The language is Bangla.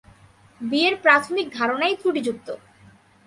বিয়ের প্রাথমিক ধারণাই ত্রুটিযুক্ত।